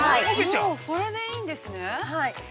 ◆もうそれでいいんですね。